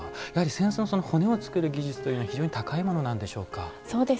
扇子の骨を作る技術というのは非常に高いものなんでしょうか。